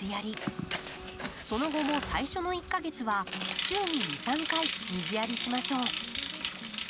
その後も最初の１か月は週に２３回水やりしましょう。